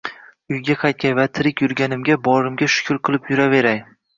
Uyga qaytay — va tirik yurganimga, borligimga shukr qilib yuraveray.